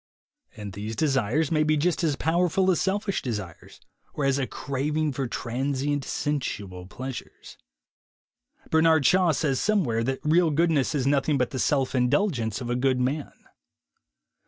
And these desires may be just as powerful as selfish desires, or as a craving for tran sient sensual pleasures. Bernard Shaw says some where that real goodness is nothing but the self indulgence of a good man.